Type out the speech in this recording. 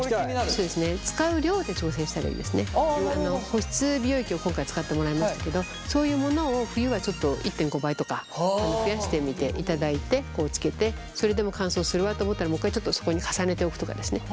保湿美容液を今回使ってもらいましたけどそういうものを冬はちょっと１．５倍とか増やしてみていただいてつけてそれでも乾燥するわと思ったらもう一回ちょっとそこに重ねておくとかですね